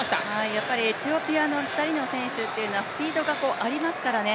やっぱりエチオピアの２人の選手はスピードがありますからね。